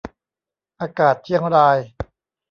อากาศเชียงราย